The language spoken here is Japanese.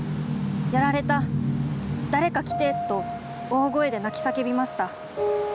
『やられた誰か来て』と大声で泣き叫びました。